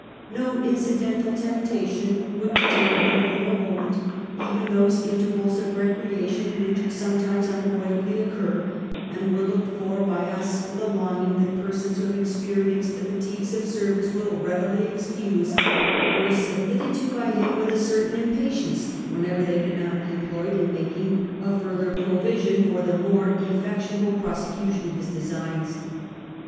No incidental tempta tion would detain him for a moment; even those in tervals of recreation which sometimes unavoidably occurred, and were looked for by us with a longing that persons who have experienced the fatigues of service will readily excuse, were submitted to by him with a certain impatience whenever they could not be employed in making a further provision for the more effectual prosecution of bis designs."